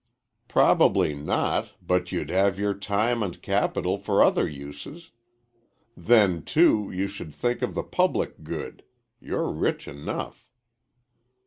"Probably not, but you'd have your time and capital for other uses. Then, too, you should think of the public good. You're rich enough."